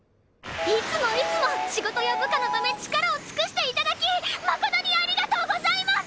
いつもいつも仕事や部下のため力を尽くして頂き誠にありがとうございます！